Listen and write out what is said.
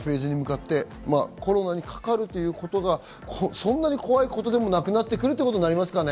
コロナにかかるということがそんなに怖いことでもなくなってくるということになりますかね？